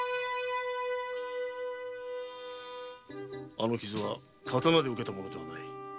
あの傷は刀で受けたものではない。